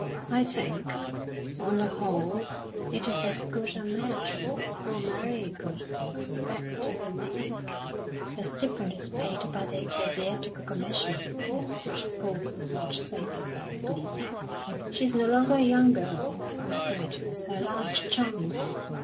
"I think, on the whole, it is as good a match as poor Mary could expect to make. The stipend is paid by the Ecclesiastical Commissioners, which, of course, is much safer than glebe. She is no longer a young girl, and I think it was her last chance.